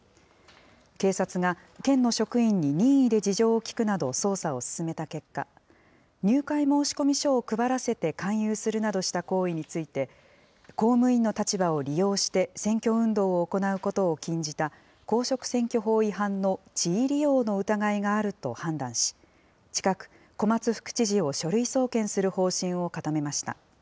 警察が県の職員に任意で事情を聴くなど、捜査を進めた結果、入会申込書を配らせて勧誘するなどした行為について、公務員の立場を利用して、選挙運動を行うことを禁じた公職選挙法違反の地位利用の疑いがあると判断し、近く、小松副知事を書類送検する方針を固めました。